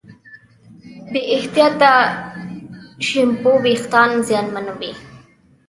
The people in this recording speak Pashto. بې احتیاطه شیمپو وېښتيان زیانمنوي.